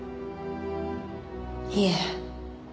いえ。